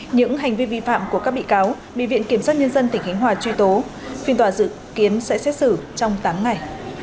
những hành vi vi phạm của các bị cáo bị viện kiểm soát nhân dân tỉnh khánh hòa truy tố phiên tòa dự kiến sẽ xét xử trong tám ngày